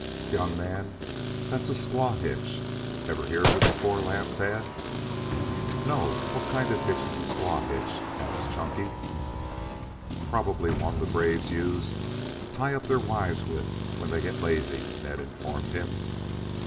"Young man, that's a squaw hitch. Ever hear of it before?" laughed Tad. "No. What kind of hitch is a squaw hitch?" asked Chunky. "Probably one that the braves use to tie up their wives with when they get lazy," Ned informed him.